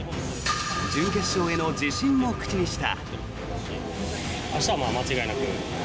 準決勝への自信も口にした。